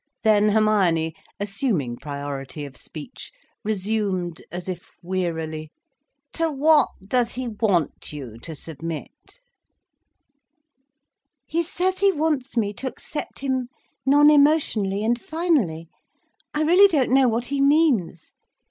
Then, Hermione, assuming priority of speech, resumed as if wearily: "To what does he want you to submit?" "He says he wants me to accept him non emotionally, and finally—I really don't know what he means.